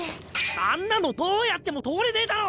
あんなのどうやっても通れねえだろ！